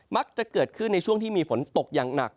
มักจะเกิดขึ้นในช่วงที่มีฝนตกอย่างหนัก